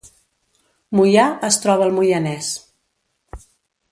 Moià es troba al Moianès